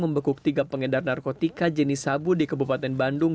membekuk tiga pengedar narkotika jenis sabu di kebupaten bandung